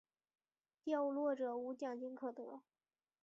掉落者无奖金可得。